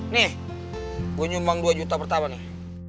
nih gue nyumbang dua juta pertama nih